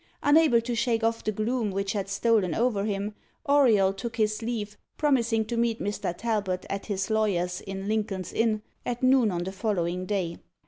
Unable to shake off the gloom which had stolen over him, Auriol took his leave, promising to meet Mr. Talbot at his lawyer's in Lincoln's Inn, at noon on the following day.